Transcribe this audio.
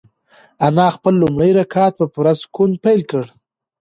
انا خپل لومړی رکعت په پوره سکون پیل کړ.